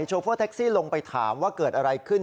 โฟแท็กซี่ลงไปถามว่าเกิดอะไรขึ้น